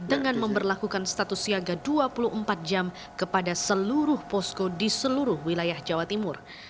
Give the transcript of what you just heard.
dengan memperlakukan status siaga dua puluh empat jam kepada seluruh posko di seluruh wilayah jawa timur